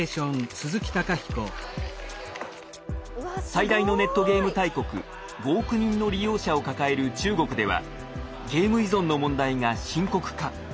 最大のネットゲーム大国５億人の利用者を抱える中国ではゲーム依存の問題が深刻化。